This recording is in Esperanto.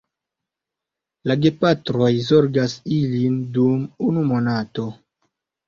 La gepatroj zorgas ilin dum unu monato.